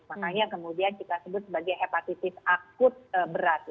makanya kemudian kita sebut sebagai hepatitis akut berat